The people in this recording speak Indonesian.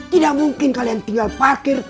tidak mungkin kalian tinggal parkir